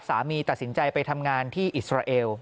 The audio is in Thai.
สามีตัดสินใจไปทำงานที่อิสราเอล